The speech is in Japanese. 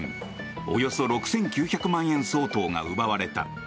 およそ６９００万円相当が奪われた。